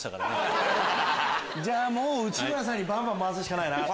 もう内村さんにバンバン回すしかないな。